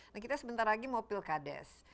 nah kita sebentar lagi mau pilkadas